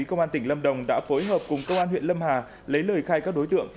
công an tỉnh lâm đồng đã phối hợp cùng công an huyện lâm hà lấy lời khai các đối tượng